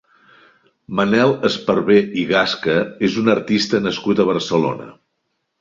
Manel Esparbé i Gasca és un artista nascut a Barcelona.